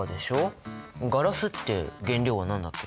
ガラスって原料は何だっけ？